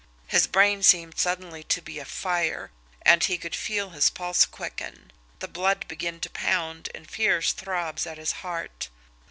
His brain seemed suddenly to be afire, and he could feel his pulse quicken, the blood begin to pound in fierce throbs at his heart.